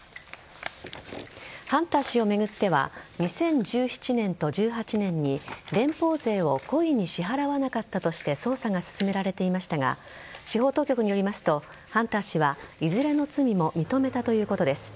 ハンター氏を巡っては２０１７年と１８年に連邦税を故意に支払わなかったとして捜査が進められていましたが司法当局によりますとハンター氏はいずれの罪も認めたということです。